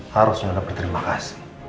harusnya anda berterima kasih